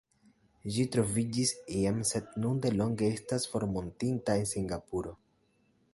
Ĝi troviĝis iam sed nun delonge estas formortinta en Singapuro.